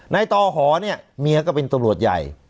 ต่อหอเนี่ยเมียก็เป็นตำรวจใหญ่